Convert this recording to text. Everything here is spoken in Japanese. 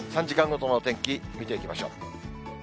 ３時間ごとのお天気、見ていきましょう。